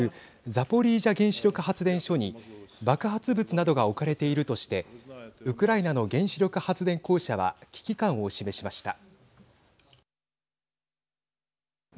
ザポリージャ原子力発電所に爆発物などが置かれているとしてウクライナの原子力発電公社は危機感を示しました。